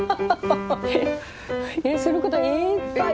することいっぱいあって。